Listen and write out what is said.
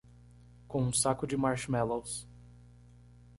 Com um saco de marshmallows.